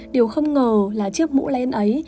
điều không ngờ là chiếc mũ len ấy